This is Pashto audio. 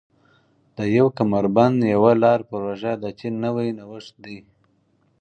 د یو کمربند یوه لار پروژه د چین نوی نوښت دی.